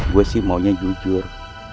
gue sih maunya jujur